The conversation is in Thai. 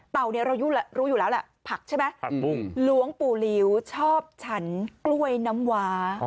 เนี่ยเรารู้อยู่แล้วแหละผักใช่ไหมผักบุ้งหลวงปู่หลิวชอบฉันกล้วยน้ำวา